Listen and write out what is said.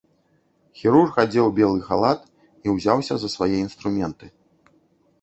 Хірург адзеў белы халат і ўзяўся за свае інструменты.